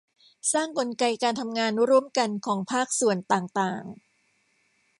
สร้างกลไกการทำงานร่วมกันของภาคส่วนต่างต่าง